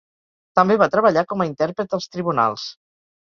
També va treballar com a intèrpret als tribunals.